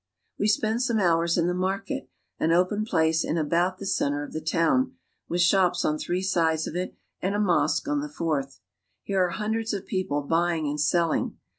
We spend some hours in the market, an open place in about the center of the town, with shops on three sides of it and a mosque on the fourth. Here are hundreds of people buying and selling.